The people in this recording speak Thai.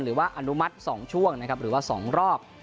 หรือว่าอนุมัติ๒ช่วงหรือว่า๒รอบ